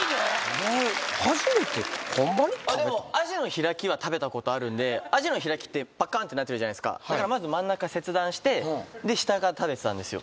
お前初めてほんまに食べたアジの開きってパッカーンってなってるじゃないですかだからまず真ん中切断してで下から食べてたんですよ